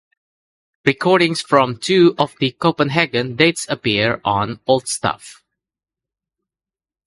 Recordings from two of the Copenhagen dates appear on "Old Stuff".